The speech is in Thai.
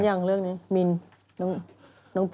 นานยัง